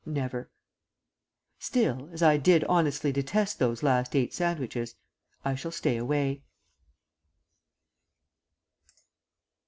Never! Still, as I did honestly detest those last eight sandwiches, I shall stay away.